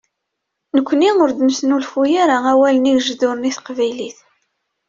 Nekni ur d-neslufuy ara awalen igejduren i teqbaylit.